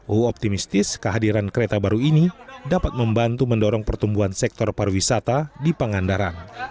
uu optimistis kehadiran kereta baru ini dapat membantu mendorong pertumbuhan sektor pariwisata di pangandaran